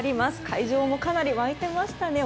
会場もかなり沸いていましたね。